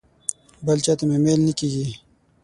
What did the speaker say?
بل چاته مې میل نه کېږي.